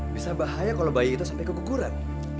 bisa bahaya kalau bayi itu sampai keguguran